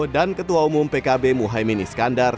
dan ketua umum pkb muhaymin iskandar